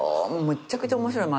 めちゃくちゃ面白い。